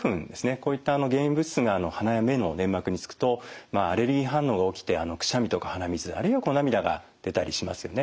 こういった原因物質が鼻や目の粘膜に付くとアレルギー反応が起きてくしゃみとか鼻水あるいは涙が出たりしますよね。